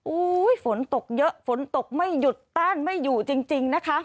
ฝนตกเยอะฝนตกไม่หยุดต้านไม่อยู่จริงนะคะ